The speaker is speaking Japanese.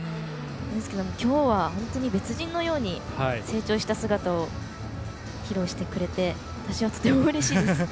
ですけど、きょうは別人のように成長した姿を披露してくれて私はとてもうれしいです。